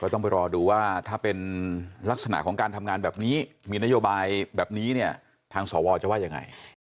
ต้องไปรอดูว่าถ้าเป็นลักษณะของการทำงานแบบนี้มีนโยบายแบบนี้เนี่ยทางสวจะว่ายังไง